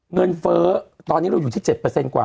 เฟ้อตอนนี้เราอยู่ที่๗กว่า